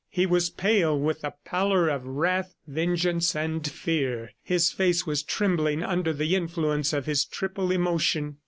He was pale with the pallor of wrath, vengeance and fear. His face was trembling under the influence of his triple emotion.